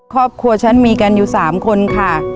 ครอบครัวฉันมีกันอยู่๓คนค่ะ